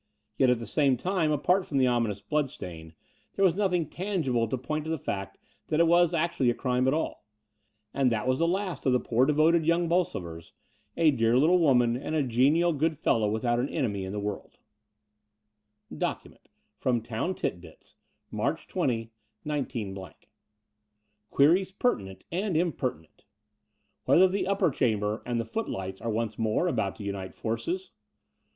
Yet at the same time, apart from the ominous bloodstain, there was nothing tangible to point to the fact that it was actually a crime at all. And that was the last of the poor devoted young Bolsovers — a dear little woman and a genial good fellow without an enemy in the world. 20 The Door of the Unreal III DOCUMENT From Town Tit Bits, March 20, 19 —. Queries Pertinent and Impertinent ... Whether the Upper Chamber and the Footlights are once more about to unite forces?